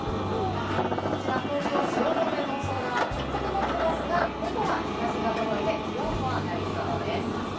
こちら東京・汐留の空、ちょっと曇ってますが、午後は日差しが届いて気温も上がりそうです。